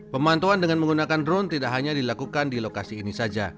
pemantauan dengan menggunakan drone tidak hanya dilakukan di lokasi ini saja